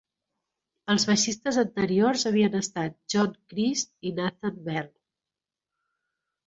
Els baixistes anteriors havien estat John Chriest i Nathan Bell.